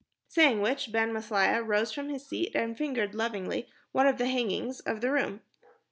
Saying which, Ben Maslia rose from his seat and fingered lovingly one of the hangings of the room.